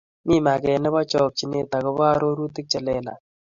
mi maget nebo chokchine akobo arorutik chelelach